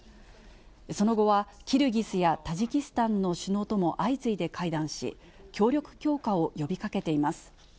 その後はキルギスやタジキスタンの首脳とも相次いで会談し、協力強化を呼びかけています。